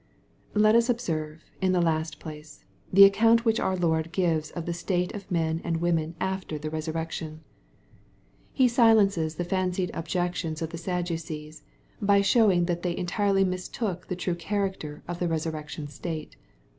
Let us observe, in the last place, the account which cf^ Lord gives of the state of men and women after thereswr^ MATTHEW; OHAP. XXU. 291 tion. He silences the fancied objections of the Sadducces, by snowing that they entirely mistook the trae charactei of the resurrection state.